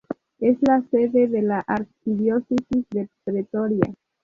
Es la sede de la Arquidiócesis de Pretoria.